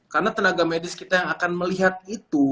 karena tenaga medis kita yang akan melihat itu